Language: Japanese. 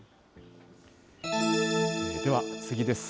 では、次です。